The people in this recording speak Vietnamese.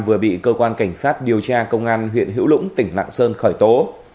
vừa bị cơ quan cảnh sát điều tra công an huyện hữu lũng tỉnh lạng sơn khởi tố